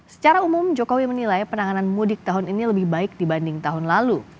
secara umum jokowi menilai penanganan mudik tahun ini lebih baik dibanding tahun lalu